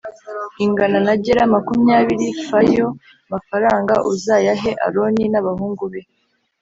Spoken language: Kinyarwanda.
ingana na gera makumyabiri f Ayo mafaranga uzayahe Aroni n abahungu be